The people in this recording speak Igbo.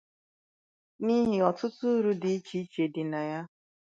n'ihi ọtụtụ uru dị iche iche dị na ya.